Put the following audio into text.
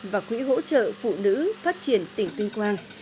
và quỹ hỗ trợ phụ nữ phát triển tỉnh tuyên quang